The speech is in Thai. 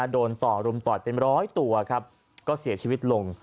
โดนต่อรุมต่อยเป็นร้อยตัวครับก็เสียชีวิตลง